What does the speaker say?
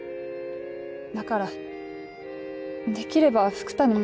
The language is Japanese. だからできれば福多に。